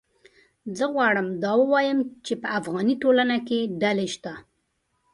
زه غواړم دا ووایم چې په افغاني ټولنه کې ډلې شته